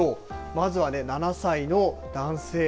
まずはね、７歳の男性。